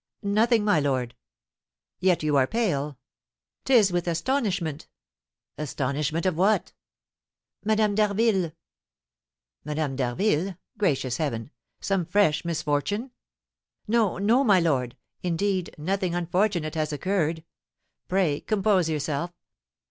"Nothing, my lord." "Yet you are pale!" "'Tis with astonishment." "Astonishment at what?" "Madame d'Harville." "Madame d'Harville! Gracious heaven! Some fresh misfortune?" "No, no, my lord indeed, nothing unfortunate has occurred. Pray compose yourself!